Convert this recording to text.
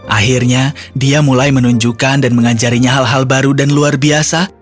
akhirnya dia mulai menunjukkan dan mengajarinya hal hal baru dan luar biasa